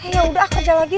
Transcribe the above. ya udah kerja lagi